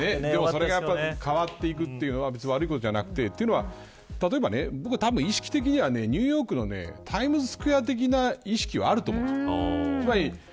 変わっていくというのが悪いことではなくて例えば僕は意識的にはニューヨークのタイムズスクエア的な意識はあると思うんです。